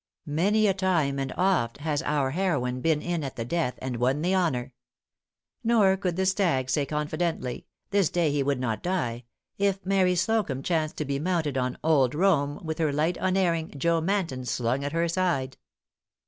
Many a time and oft has our heroine been in at the death, and won the honor. Nor could the stag say confidently, "this day he would not die," if Mary Slocumb chanced to be mounted on "Old Roam," with her light unerring "Joe Manton" slung at her side!